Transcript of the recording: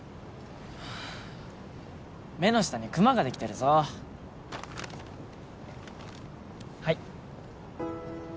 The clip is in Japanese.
目の下にクマができてるぞはい